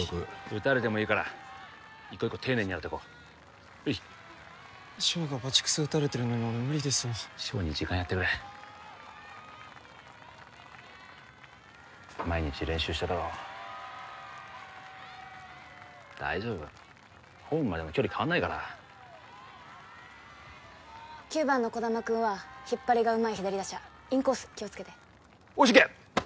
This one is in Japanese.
打たれてもいいから一個一個丁寧に狙っていこうはい翔がバチクソ打たれてるのに俺無理ですわ翔に時間やってくれ毎日練習してただろ大丈夫ホームまでの距離変わんないから９番の児玉くんは引っ張りがうまい左打者インコース気をつけておしいけ！